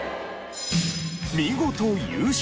見事優勝！